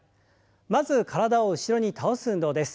まず体を後ろに倒す運動です。